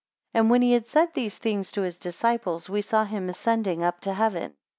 21 And when he had said these things to his disciples, we saw him ascending up to heaven.